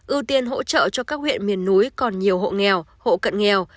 ưu tiên hỗ trợ cho các huyện miền núi còn nhiều hộ nghèo hộ cận nghèo